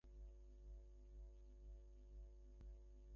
আমাকেও কোনদিন নিজের পিঠের দাগ দেখতে দেয়নি।